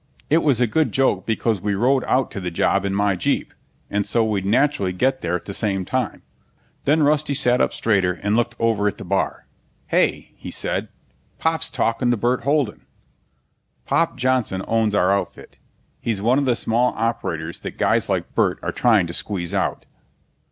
It was a good joke because we rode out to the job in my jeep, and so we'd naturally get there at the same time. Then Rusty sat up straighter and looked over at the bar. "Hey," he said, "Pop's talking to Burt Holden." Pop Johnson owns our outfit. He's one of the small operators that guys like Burt are trying to squeeze out.